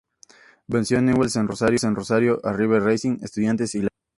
Venció a Newells en Rosario, a River, Racing, Estudiantes y Lanús.